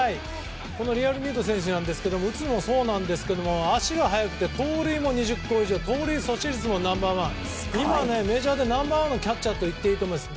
リアルミュート選手打つのもそうなんですが足が速くて、盗塁も２０個以上で盗塁阻止率もナンバー１でメジャーナンバー１のキャッチャーといえると思います。